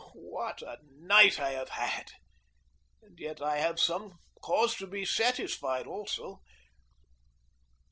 Oh, what a night I have had! And yet I have some cause to be satisfied also.